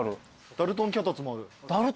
ダルトン脚立も？